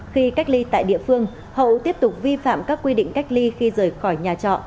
khi cách ly tại địa phương hậu tiếp tục vi phạm các quy định cách ly khi rời khỏi nhà trọ